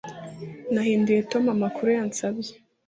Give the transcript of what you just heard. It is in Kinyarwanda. Nahinduye Tom amakuru yansabye